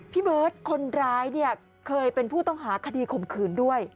พี่เบิร์ตคนร้ายเนี่ยเคยเป็นผู้ต้องหาคดีข่มขืนด้วย